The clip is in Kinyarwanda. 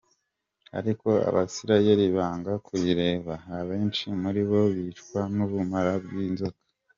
Ariko Abisirayeli banga kuyireba, abenshi muri bo bicwa n’ubumara bw’inzoka.